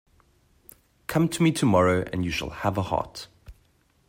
Come to me tomorrow and you shall have a heart.